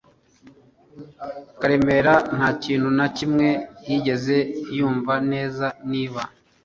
Karemera nta kintu na kimwe yigeze yumva neza niba